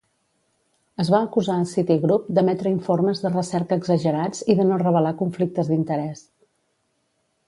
Es va acusar a Citigroup d'emetre informes de recerca exagerats i de no revelar conflictes d'interès.